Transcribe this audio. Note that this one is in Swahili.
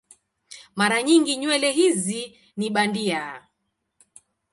Mara nyingi nywele hizi ni bandia.